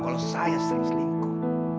kalau saya sering selingkuh